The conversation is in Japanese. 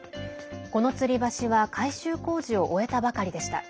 このつり橋は改修工事を終えたばかりでした。